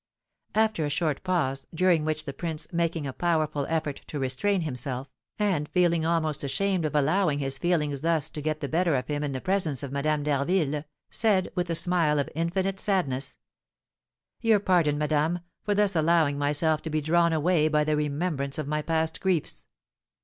After a short pause, during which the prince, making a powerful effort to restrain himself, and feeling almost ashamed of allowing his feelings thus to get the better of him in the presence of Madame d'Harville, said, with a smile of infinite sadness, "Your pardon, madame, for thus allowing myself to be drawn away by the remembrance of my past griefs!"